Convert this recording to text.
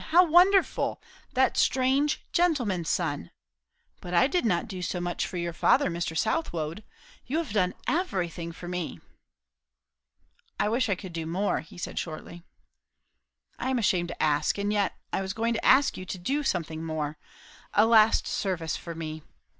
How wonderful! That strange gentleman's son! But I did not do so much for your father, Mr. Southwode. You have done everything for me." "I wish I could do more," said he shortly. "I am ashamed to ask, and yet, I was going to ask you to do something more a last service for me.